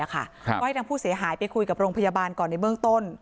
ก็ให้ทางผู้เสียหายไปคุยกับโรงพยาบาลก่อนในเบื้องต้น